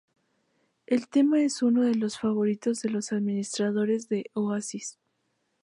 El tema es uno de los favoritos de los admiradores de Oasis.